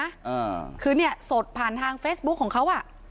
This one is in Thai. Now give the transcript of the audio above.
อ่าคือเนี้ยสดผ่านทางเฟซบุ๊คของเขาอ่ะ